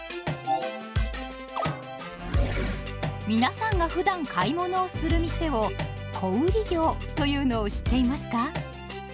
皆さんがふだん買い物をする店を「小売業」というのを知っていますか？